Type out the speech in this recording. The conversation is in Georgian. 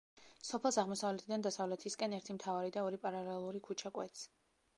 სოფელს აღმოსავლეთიდან დასავლეთისკენ ერთი მთავარი და ორი პარალელური ქუჩა კვეთს.